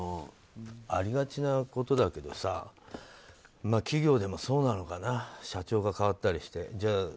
ありがちなことだけど企業でもそうなのかな社長が代わったりして。